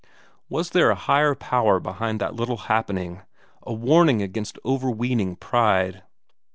Was there a higher power behind that little happening a warning against overweening pride?